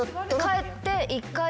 帰って。